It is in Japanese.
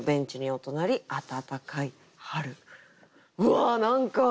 うわ！何か。